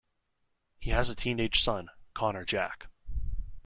He has a teenage son, Conor Jack.